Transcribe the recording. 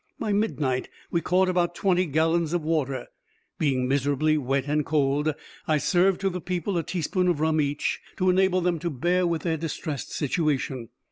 By midnight we caught about twenty gallons of water. Being miserably wet and cold, I served to the people a teaspoonful of rum each, to enable them to bear with their distressed situation.